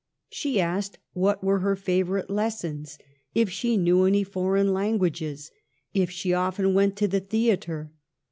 She asked what were her favorite lessons ; if she knew any foreign languages ; if she often went to the theatre.